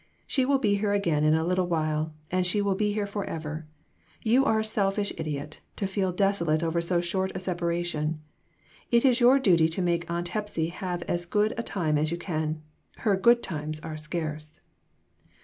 " She will be here again in a little while, and she will be here forever. You are a selfish idiot, to feel desolate over so short a separation. It is your duty to make Aunt Hepsy have as good a time as you can. Her 'good times' are scarce."